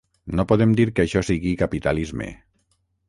No podem dir que això sigui capitalisme.